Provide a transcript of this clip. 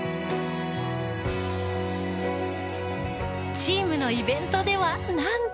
チームのイベントではなんと。